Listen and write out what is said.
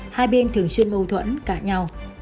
hai bên thường xuyên mâu thuẫn cãi nhau